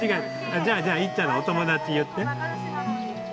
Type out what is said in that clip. じゃあじゃあいっちゃんのお友達言って？